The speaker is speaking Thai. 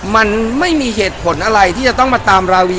มันไม่มีเหตุผลอะไรที่จะต้องมาตามราวี